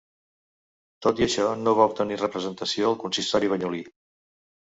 Tot i això, no va obtenir representació al consistori banyolí.